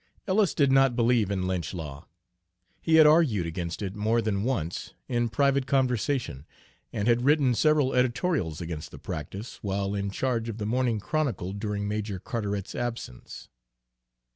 Ellis did not believe in lynch law. He had argued against it, more than once, in private conversation, and had written several editorials against the practice, while in charge of the Morning Chronicle during Major Carteret's absence.